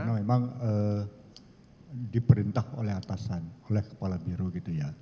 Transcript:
karena memang diperintah oleh atasan oleh kepala biro gitu ya